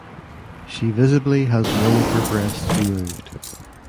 She visibly has one of her breasts removed.